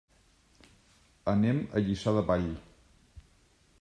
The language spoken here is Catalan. Anem a Lliçà de Vall.